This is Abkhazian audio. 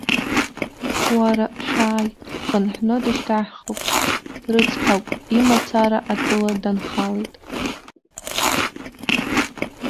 Уара, шәааи, ҳхынҳәны дышьҭаҳхып, дрыцҳауп, имацара атәыла данхалеит!